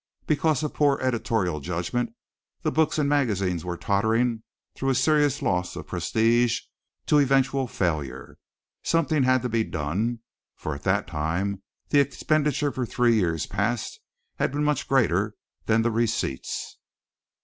Because of poor editorial judgment, the books and magazines were tottering through a serious loss of prestige to eventual failure. Something had to be done, for at that time the expenditure for three years past had been much greater than the receipts.